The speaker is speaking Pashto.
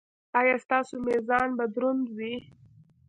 ایا ستاسو میزان به دروند وي؟